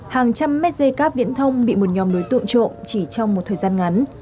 hàng trăm mét dây cáp viễn thông bị một nhóm đối tượng trộm chỉ trong một thời gian ngắn